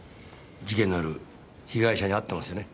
事件の夜被害者に会ってますよね？